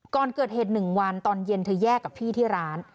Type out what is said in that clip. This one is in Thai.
ก่อนเกิดเหตุ๑วันตอนเย็นเธอแยกกับพี่ที่ร้าน